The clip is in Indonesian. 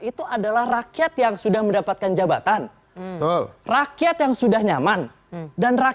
itu adalah rakyat yang sudah mendapatkan jabatan betul rakyat yang sudah nyaman dan rakyat